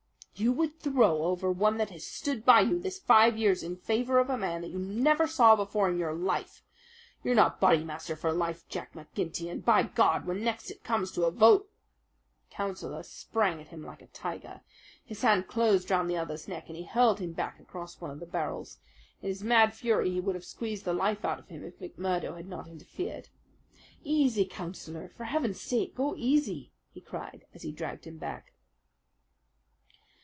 "You would throw over one that has stood by you this five years in favour of a man that you never saw before in your life? You're not Bodymaster for life, Jack McGinty, and by God! when next it comes to a vote " The Councillor sprang at him like a tiger. His hand closed round the other's neck, and he hurled him back across one of the barrels. In his mad fury he would have squeezed the life out of him if McMurdo had not interfered. "Easy, Councillor! For heaven's sake, go easy!" he cried, as he dragged him back.